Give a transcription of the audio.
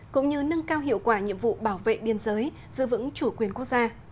cũng như nâng cao hiệu quả nhiệm vụ bảo vệ biên giới giữ vững chủ quyền quốc gia